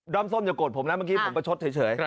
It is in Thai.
ส้มอย่าโกรธผมนะเมื่อกี้ผมประชดเฉย